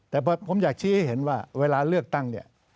แต่ผมอยากชี้ให้เห็นว่าเวลาเลือกตั้งเนี่ย